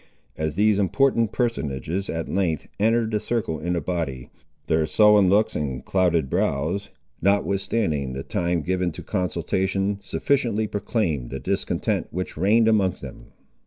As these important personages at length entered the circle in a body, their sullen looks and clouded brows, notwithstanding the time given to consultation, sufficiently proclaimed the discontent which reigned among them.